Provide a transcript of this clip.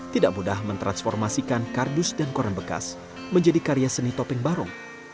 tidak mudah mentransformasikan kardus dan koran bekas menjadi karya seni topeng barong